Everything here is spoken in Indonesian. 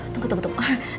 tunggu tunggu tunggu